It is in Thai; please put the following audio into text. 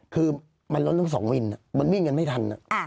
คือมันล้นทั้งสองวินมันวิ่งกันไม่ทัน